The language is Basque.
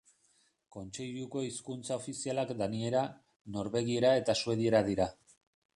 Kontseiluko hizkuntza ofizialak daniera, norvegiera eta suediera dira.